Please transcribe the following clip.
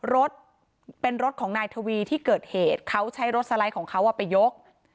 รถเป็นรถของนายทวีที่เกิดเหตุเขาใช้รถสไลด์ของเขาไปยก